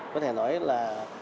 có thể nói là